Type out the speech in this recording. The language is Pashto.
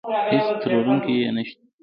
هېڅ تروړونکی يې نشته.